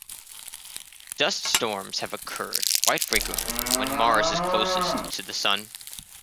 Dust storms have occurred quite frequently when Mars is closest to the Sun.